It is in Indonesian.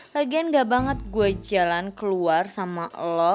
lagian gak banget gue jalan keluar sama lo